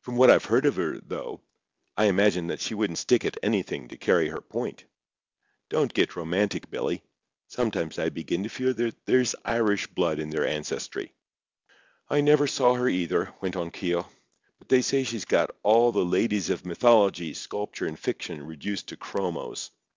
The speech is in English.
From what I've heard of her, though, I imagine that she wouldn't stick at anything to carry her point. Don't get romantic, Billy. Sometimes I begin to fear that there's Irish blood in your ancestry." "I never saw her either," went on Keogh; "but they say she's got all the ladies of mythology, sculpture, and fiction reduced to chromos.